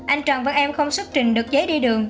anh trần văn em không xuất trình được giấy đi đường